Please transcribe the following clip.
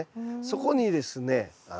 そこにですね